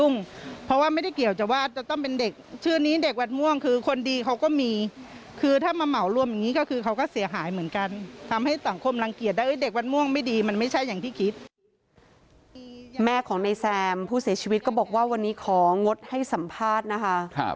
แม่ของนายแซมผู้เสียชีวิตก็บอกว่าวันนี้ของงดให้สัมภาษณ์นะคะ